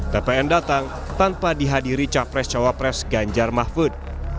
tpn datang tanpa dihadiri capres cawapres ganjar mahfud